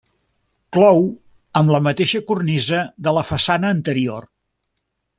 Clou amb la mateixa cornisa de la façana anterior.